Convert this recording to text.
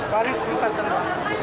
baris berita semua